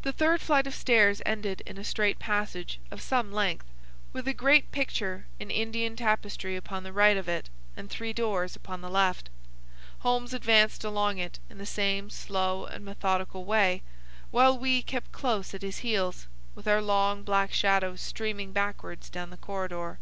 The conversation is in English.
The third flight of stairs ended in a straight passage of some length, with a great picture in Indian tapestry upon the right of it and three doors upon the left. Holmes advanced along it in the same slow and methodical way, while we kept close at his heels, with our long black shadows streaming backwards down the corridor.